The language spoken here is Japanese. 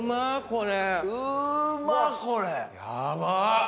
これ。